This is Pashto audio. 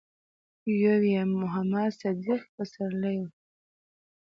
يو يې محمد صديق پسرلی و.